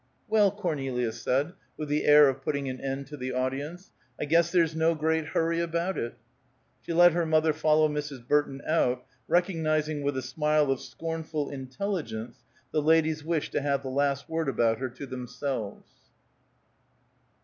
"Well," Cornelia said, with the air of putting an end to the audience, "I guess there's no great hurry about it." She let her mother follow Mrs. Burton out, recognizing with a smile of scornful intelligence the ladies' wish to have the last word about her to themselves.